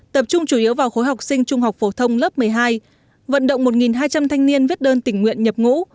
tập trung chủ yếu vào khối học sinh trung học phổ thông lớp một mươi hai vận động một hai trăm linh thanh niên viết đơn tình nguyện nhập ngũ